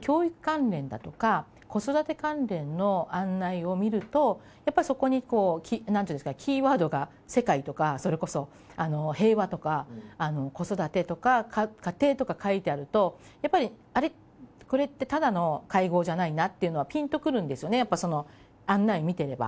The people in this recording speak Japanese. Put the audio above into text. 教育関連だとか、子育て関連の案内を見ると、やっぱりそこになんていうんですか、キーワードが世界とか、それこそ、平和とか子育てとか家庭とか書いてあると、やっぱり、あれ、これってただの会合じゃないなっていうのは、ピンと来るんですよね、やっぱその案内を見てれば。